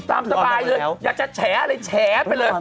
ตามสบายเลยอยากจะแฉอะไรแฉไปเลย